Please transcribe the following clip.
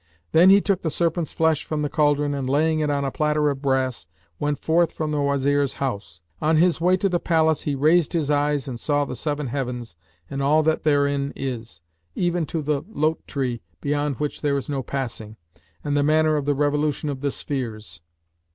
Then he took the serpent's flesh from the cauldron and, laying it on a platter of brass, went forth from the Wazir's house. On his way to the palace he raised his eyes and saw the seven Heavens and all that therein is, even to the Lote tree, beyond which there is no passing,[FN#576] and the manner of the revolution of the spheres.